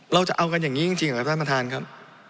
เราจะเอากันอย่างนี้จริงเหรอท่านประธานครับ